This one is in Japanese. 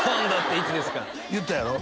言ったやろ？